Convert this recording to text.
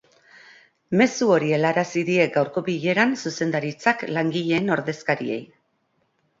Mezu hori helarazi die gaurko bileran zuzendaritzak langileen ordezkariei.